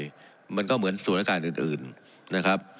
เพราะฉะนั้นก็เหมือนส่วนอากาศอื่นนะครับ